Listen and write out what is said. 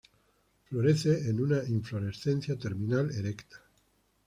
Florece en una inflorescencia terminal erecta.